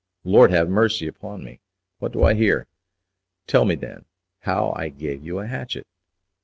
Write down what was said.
"Lord have mercy upon me! what do I hear? Tell me, then, how I gave you a hatchet?"